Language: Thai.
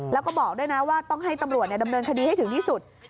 แล้วก็บอกด้วยนะว่าต้องให้ตำรวจดำเนินคดีให้ถึงที่สุด